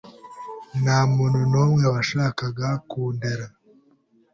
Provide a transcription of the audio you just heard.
nta muntu n’umwe washakaga Kundera,